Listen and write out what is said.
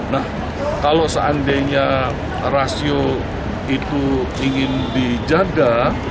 nah kalau seandainya rasio itu ingin dijaga